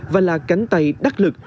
và là cánh tay đắc lực